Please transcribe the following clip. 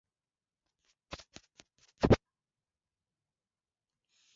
Ukali wa ugonjwa wa miguu na midomo hutegemeana na aina ya kirusi